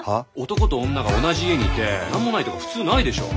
男と女が同じ家にいて何もないとか普通ないでしょ？